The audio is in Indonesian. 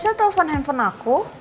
biasa telepon handphone aku